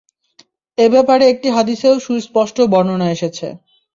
এ ব্যাপারে একটি হাদীসেও সুস্পষ্ট বর্ণনা এসেছে।